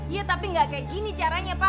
iya tapi gak kayak gini caranya pak